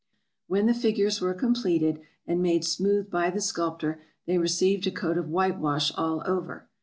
When the figures were completed and made smooth by the sculptor, they received a coat of whitewash all over.